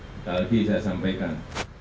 sekali lagi saya sampaikan